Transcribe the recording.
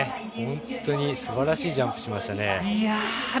本当に素晴らしいジャンプをしましたね。